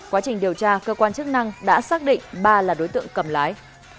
quá trình điều tra cơ quan chức năng đã xác định ba là đối tượng cầm lái